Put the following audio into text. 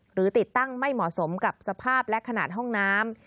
ติดตั้งไม่เหมาะสมกับสภาพและขนาดห้องน้ำ